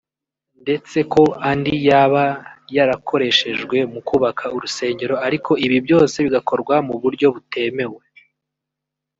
ndetse ko andi yaba yarakoreshejwe mu kubaka urusengero ariko ibi byose bigakorwa mu buryo butemewe